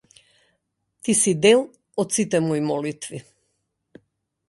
Ти си дел од сите мои молитви.